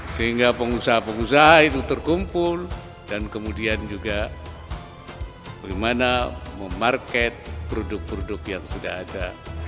sehingga pengusaha pengusaha itu terkumpul dan kemudian juga bagaimana memarket produk produk yang sudah ada